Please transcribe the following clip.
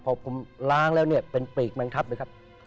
พอผมล้างแล้วเนี่ยเป็นปีกบังคับเลยครับ